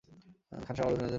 খানসামা রসুনের জন্য বিখ্যাত।